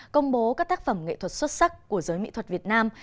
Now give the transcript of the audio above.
công bố các tác phẩm nghệ thuật xuất sắc của giới mỹ thuật việt nam